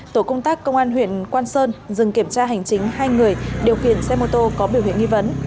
tổ công tác công an huyện quan sơn dừng kiểm tra hành chính hai người điều khiển xe mô tô có biểu hiện nghi vấn